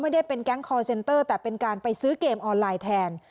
ไม่ได้เป็นแก๊งคอร์เซ็นเตอร์แต่เป็นการไปซื้อเกมออนไลน์แทน